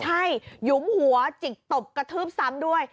ใช่หยุมหัวจิกตบกระทืบซ้ำด้วย